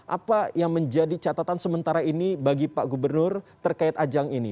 apa yang menjadi catatan sementara ini bagi pak gubernur terkait ajang ini